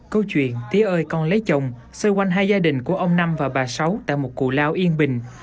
câu chuyện tía ơi con lấy chồng xôi quanh hai gia đình của ông năm và bà sáu tại một cụ lao yên bình